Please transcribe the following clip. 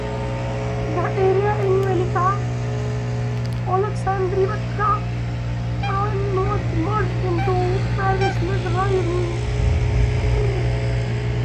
The area of Velyka Oleksandrivka Raion was merged into Beryslav Raion.